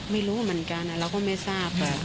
ไม่รู้เหมือนกันเราก็ไม่ทราบ